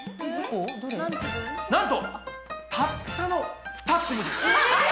なんとたったの２粒です。え！